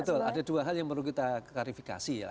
betul ada dua hal yang perlu kita klarifikasi ya